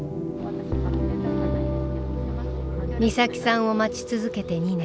美咲さんを待ち続けて２年。